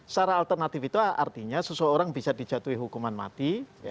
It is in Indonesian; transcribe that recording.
secara alternatif itu artinya seseorang bisa dijatuhi hukuman mati